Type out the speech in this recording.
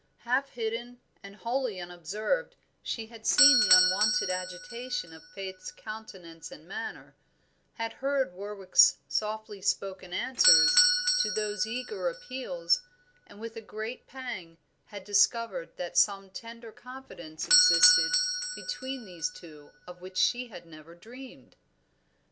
Half hidden and wholly unobserved she had seen the unwonted agitation of Faith's countenance and manner, had heard Warwick's softly spoken answers to those eager appeals, and with a great pang had discovered that some tender confidence existed between these two of which she had never dreamed.